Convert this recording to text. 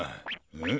うん？